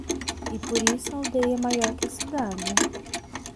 e por isso a aldeia é maior que a cidade...